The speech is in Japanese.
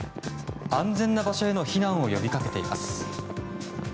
安全な場所への避難を呼びかけています。